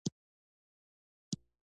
غوښې د افغانستان د جغرافیایي موقیعت پایله ده.